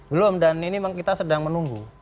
belum dan ini memang kita sedang menunggu